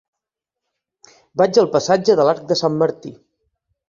Vaig al passatge de l'Arc de Sant Martí.